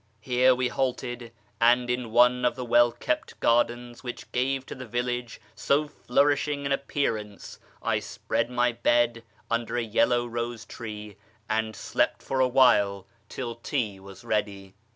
Here we halted ; and in one of the well kept gardens which gave to the village so flourishing an appearance I spread my bed under a yellow rose tree, and slept for a while till tea was ready.